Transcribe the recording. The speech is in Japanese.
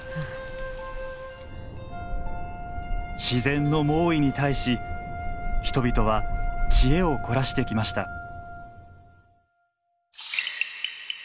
自然の猛威に対し人々は知恵を凝らしてきました。